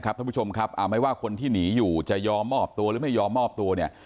ท่านผู้ชมครับไม่ว่าคนที่หนีอยู่จะยอมมอบตัวหรือไม่ยอมมอบตัวเนี่ย